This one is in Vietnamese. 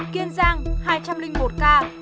kiên giang hai trăm linh một ca